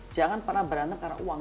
jangan pernah berantem karena uang